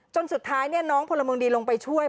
สุดท้ายน้องพลเมืองดีลงไปช่วย